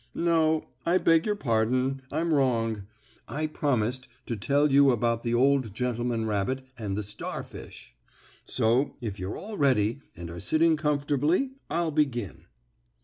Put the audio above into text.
No, I beg your pardon, I'm wrong. I promised to tell you about the old gentleman rabbit and the starfish. So if you're all ready, and are sitting comfortably, I'll begin.